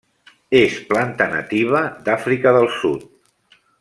És planta nativa d'Àfrica del Sud.